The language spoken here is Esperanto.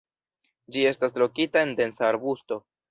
Ĝi estas lokita en densa arbusto.